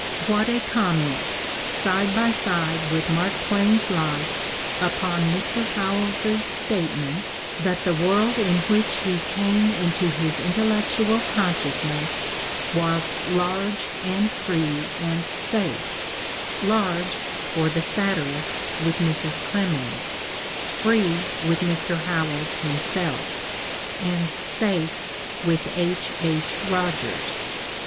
What a comment, side by side with Mark Twain's life, upon Mr. Howells's statement that the world in which he "came into his intellectual conscious ness" was "large and free and safe" — large, for the satirist, with Mrs. Clemens, free with Mr. Howells himself, and safe with H. H. Rogers!